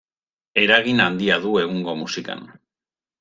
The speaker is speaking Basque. Eragin handia du egungo musikan.